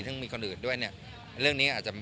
ซึ่งมีคนอื่นด้วยเนี่ย